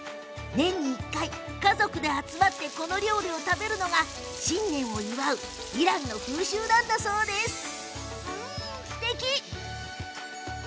年に１回家族で集まってこのお料理をたべるのが新年を祝うイランの風習なんだそうです。